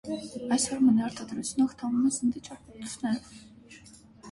Այս հորմոնի արտադրությունը խթանվում է սննդի ճարպաթթուներով։